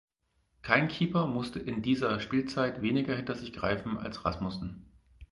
Kein Keeper musste in dieser Spielzeit weniger hinter sich greifen als Rasmussen.